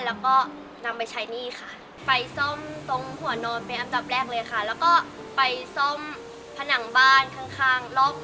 ทางรอบบ้านเลยค่ะ